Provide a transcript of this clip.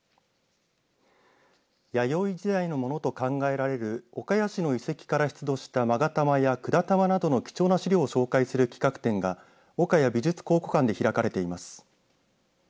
弥生時代のものと考えられる岡谷市の遺跡から出土したまが玉や管玉などの貴重な資料を紹介する企画展が岡谷美術考古館で開かれています。